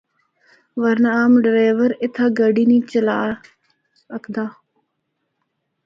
ورنہ عام ڈریور اِتھا گڈی نیں چَلّا ہکدا۔